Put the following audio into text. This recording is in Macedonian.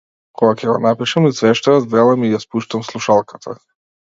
Кога ќе го напишам извештајот, велам и ја спуштам слушалката.